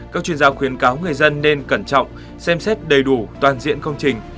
các chuyên gia khuyến cáo người dân nên cẩn trọng xem xét đầy đủ toàn diện công trình